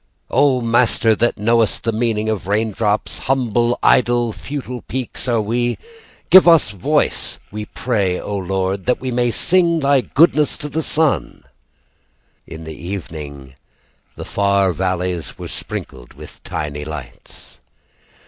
"O Master that knowest the meaning of raindrops, "Humble, idle, futile peaks are we. "Give voice to us, we pray, O Lord, "That we may sing Thy goodness to the sun." In the evening The far valleys were sprinkled with tiny lights.